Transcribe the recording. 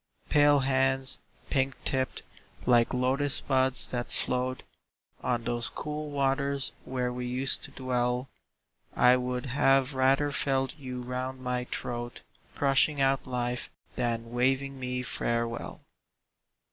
Pale hands, pink tipped, like Lotus buds that float On those cool waters where we used to dwell, I would have rather felt you round my throat, Crushing out life, than waving me farewell!